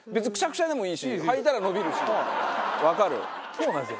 そうなんですよ。